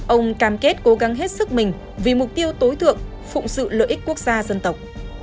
ông cam kết cố gắng hết sức mình vì mục tiêu tối thượng phụng sự lợi ích quốc gia dân tộc